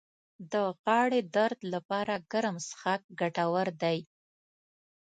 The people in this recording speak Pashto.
د غاړې درد لپاره ګرم څښاک ګټور دی